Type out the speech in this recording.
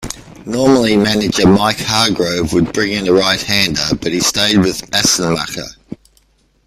Normally manager Mike Hargrove would bring in a right-hander, but he stayed with Assenmacher.